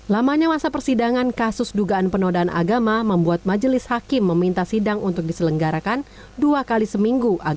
lamanya masa persidangan kasus dugaan penodaan agama membuat majelis hakim meminta sidang untuk diselenggarakan dua kali seminggu